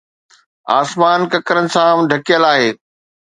آسمان ڪڪرن سان ڍڪيل آهي